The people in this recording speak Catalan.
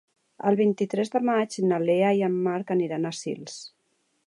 El vint-i-tres de maig na Lea i en Marc aniran a Sils.